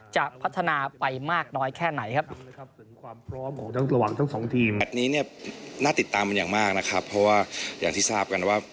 จะพัฒนาไปมากน้อยแค่ไหนครับ